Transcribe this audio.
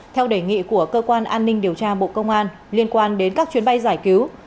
theo đề nghị của cơ quan an ninh điều tra bộ công an liên quan đến các chuyến bay giải cứu